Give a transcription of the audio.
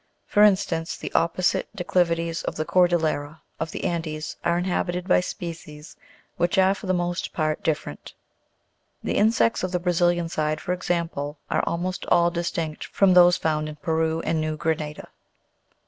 For instance, the opposite declivities of the Cordillera of the Andes are inhabited by species which are for the most part dif ferent ; the insects of the Brazilian side, for example, are almost all distinct from those found in Peru and New Granada.